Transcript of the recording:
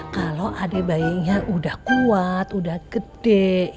kalau adik bayinya udah kuat udah gede